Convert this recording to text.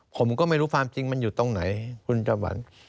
ผมก็ไม่รู้ความจริงมันอยู่ตรงไหนคุณจำหวัน